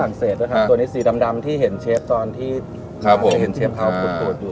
ตัวนี้สีดำที่เห็นเชฟอาธิบายตอนที่เห็นเข้าขนบูตค์อยู่